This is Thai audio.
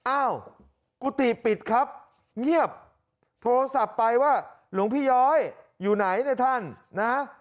อ้าวกุฏิปิดครับเงียบโทรศัพท์ไปว่าหลวงพี่ย้อยอยู่ไหนเนี่ยท่านนะ